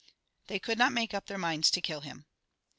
They could not make up their minds to kill him.